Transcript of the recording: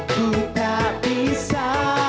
ku tak bisa